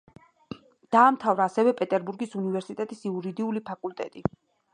დაამთავრა ასევე პეტერბურგის უნივერსიტეტის იურიდიული ფაკულტეტი.